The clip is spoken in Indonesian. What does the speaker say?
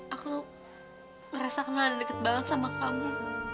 aku tuh ngerasa kenal dan deket banget sama kamu